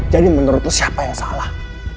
jadi menurut lu siapa yang salah